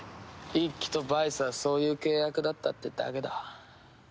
一輝とバイスはそういう契約だったってだけだ。